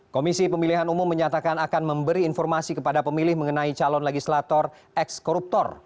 komisi pemilihan umum menyatakan akan memberi informasi kepada pemilih mengenai calon legislator eks koruptor